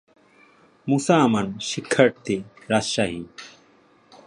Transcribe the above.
মুসা আমান, শিক্ষার্থী, রাজশাহী।